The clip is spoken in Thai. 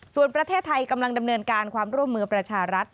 ส่วนประเทศไทยกำลังดำเนินการความร่วมมือประชารัฐ